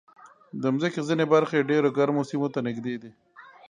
د مځکې ځینې برخې ډېر ګرمو سیمو ته نږدې دي.